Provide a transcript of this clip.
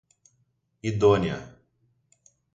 idônea